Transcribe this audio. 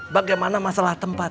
bagaimana masalah tempat